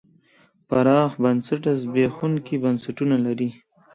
پراخ بنسټه زبېښونکي بنسټونه لري.